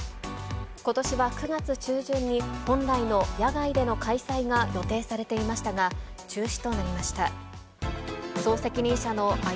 ことしは９月中旬に、本来の野外での開催が予定されていましたが、中止となりました。